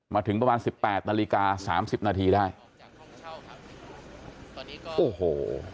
มาถึงประมาณสิบแปดนาฬิกาสามสิบนาทีได้โอ้โห